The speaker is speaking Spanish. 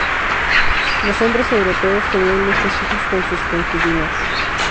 Los hombres europeos tenían muchos hijos con sus concubinas.